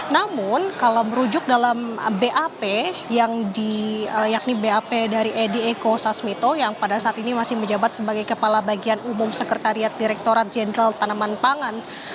namun kalau merujuk dalam bap yakni bap dari edi eko sasmito yang pada saat ini masih menjabat sebagai kepala bagian umum sekretariat direkturat jenderal tanaman pangan